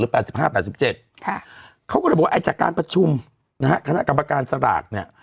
ครับเขาก็บอกว่าอาจจะการประชุมนะฮะคณะกรรมการสลากเนี่ย